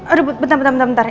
aduh bentar bentar bentar